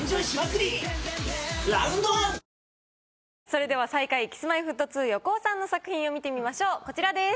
それでは最下位Ｋｉｓ−Ｍｙ−Ｆｔ２・横尾さんの作品を見てみましょうこちらです。